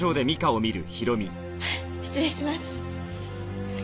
失礼します。